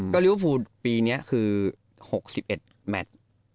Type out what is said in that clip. ก็ริวภูมิปีนี้คือ๖๑แมท